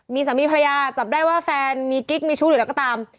มีสามีภรรยาจับได้ว่าแฟนมีกิ๊กมีชู้หรืออะไรก็ตาม